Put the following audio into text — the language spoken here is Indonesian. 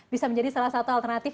bisa menjadi salah satu alternatif